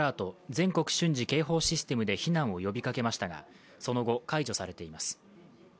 全国瞬時警報システムで避難を呼びかけましたが、その後、解除されています。